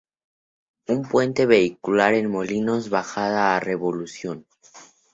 Un puente vehicular en Molinos bajada a Revolución.